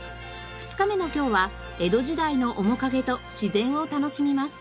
２日目の今日は江戸時代の面影と自然を楽しみます。